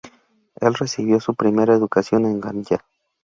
Él recibió su primera educación en Ganyá.